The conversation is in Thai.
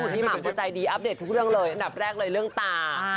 หม่ำเขาใจดีอัปเดตทุกเรื่องเลยอันดับแรกเลยเรื่องตา